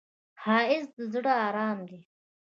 ښایست د زړه آرام دی